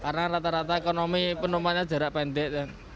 karena rata rata ekonomi penumpangnya jarak pendek